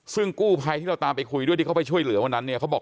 ซึ่งกู้ภัยที่เราตามไปคุยด้วยเขาไปช่วยเหลือวันนั้นนะคะ